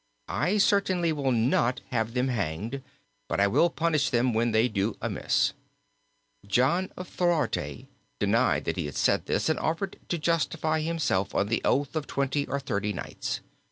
I certainly will not have them hanged, but I will punish them when they do amiss.' John of Thorote denied that he had said this, and offered to justify himself on the oath of twenty or thirty knights.